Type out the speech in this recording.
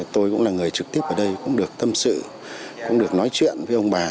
tôi cũng là người trực tiếp ở đây cũng được tâm sự cũng được nói chuyện với ông bà